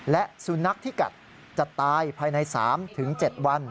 และสุนัขที่กัดจะตายภายใน๓๗วัน